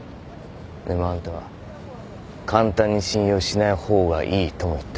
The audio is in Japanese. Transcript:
でもあんたは簡単に信用しない方がいいとも言った。